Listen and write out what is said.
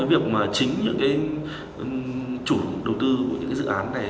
và chính những cái chủ đầu tư của những cái dự án này